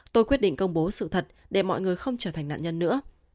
tôi quyết định công bố sự thật để mọi người không trở thành nạn nhân nữa